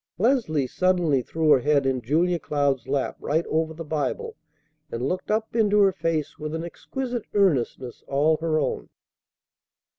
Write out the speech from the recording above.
'" Leslie suddenly threw her head in Julia Cloud's lap right over the Bible, and looked up into her face with an exquisite earnestness all her own.